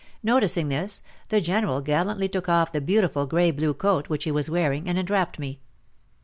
Noticing this, the General gallantly took off the beautiful grey blue coat which he was wearing and enwrapped me.